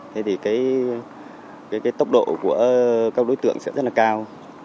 thế thì cái tốc độ của các đối tượng sẽ rất là cao